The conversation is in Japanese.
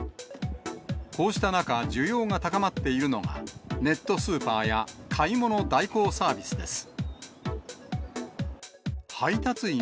こうした中、需要が高まっているのが、ネットスーパーや買い物代行サービスです。